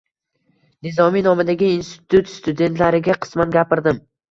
Nizomiy nomidagi institut studentlariga qisman gapirdim.